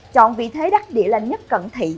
chọn vị thế đắc địa là nhất cận thị